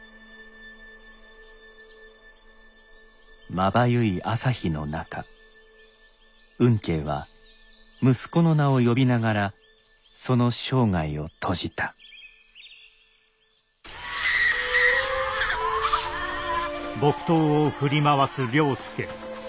まばゆい朝日の中吽慶は息子の名を呼びながらその生涯を閉じたうわあ！